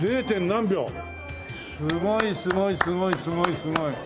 すごいすごいすごいすごいすごい。